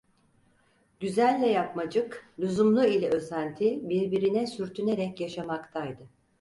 Güzelle yapmacık, lüzumlu ile özenti birbirine sürtünerek yaşamaktaydı.